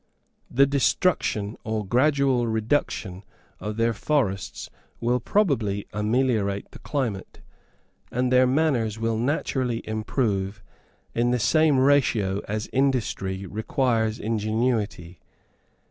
The destruction, or gradual reduction, of their forests will probably ameliorate the climate, and their manners will naturally improve in the same ratio as industry requires ingenuity.